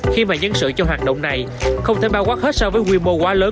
khi mà nhân sự cho hoạt động này không thể bao quát hết so với quy mô quá lớn